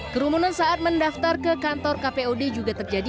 kerumunan saat mendaftar ke kantor kpud juga terjadi